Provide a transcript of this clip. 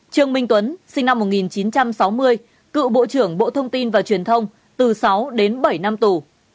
trương minh tuấn sinh năm một nghìn chín trăm sáu mươi cựu bộ trưởng bộ thông tin và truyền thông từ sáu đến bảy năm tù